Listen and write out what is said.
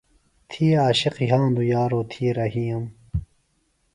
تھی عاشق یھاندُوۡ یارو تھی رھِیم۔